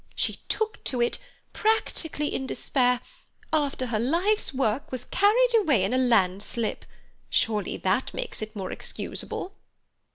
She took to it, practically in despair, after her life's work was carried away in a landslip. Surely that makes it more excusable."